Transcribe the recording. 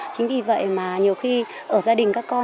chính vì vậy mà nhiều khi ở gia đình các con